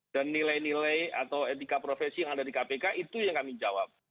dan nilai nilai atau etika profesi yang ada di kpk itu yang kami jawab